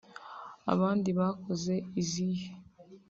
«Abandi bakoze izihe